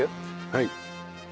はい。